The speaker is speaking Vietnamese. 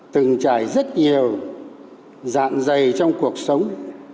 từng trải rất nhiều dạng dày trong cuộc sống